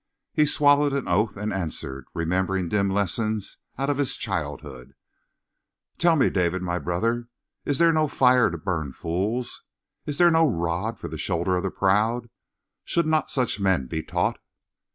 He swallowed an oath, and answered, remembering dim lessons out of his childhood: "Tell me, David, my brother, is there no fire to burn fools? Is there no rod for the shoulders of the proud? Should not such men be taught?"